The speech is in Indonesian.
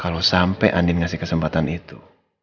kalo sampe andin ngasih kesempatan itu